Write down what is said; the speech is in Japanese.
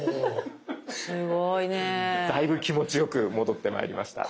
だいぶ気持ちよく戻ってまいりました。